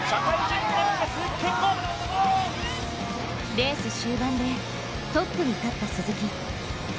レース終盤でトップに立った鈴木。